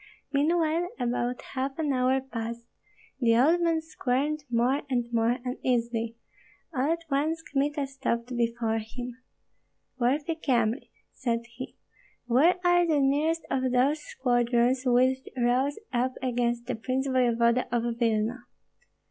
Meanwhile about half an hour passed; the old man squirmed more and more uneasily. All at once Kmita stopped before him. "Worthy Kyemlich," said he, "where are the nearest of those squadrons which rose up against the prince voevoda of Vilna?"